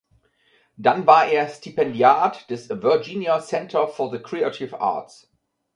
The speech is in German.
Dann war er Stipendiat des "Virginia Center for the Creative Arts".